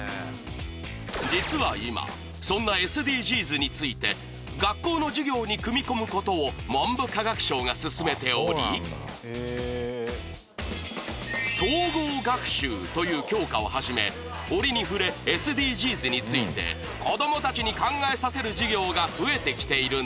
実は今そんなＳＤＧｓについて学校の授業に組み込むことを文部科学省がすすめており総合学習という教科をはじめ折に触れＳＤＧｓについて子どもたちに考えさせる授業が増えてきているんです。